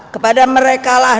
kepada mereka lah